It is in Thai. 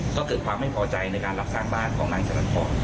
ก็เกิดความไม่พอใจในการรับสร้างบ้านของนายจรัสพร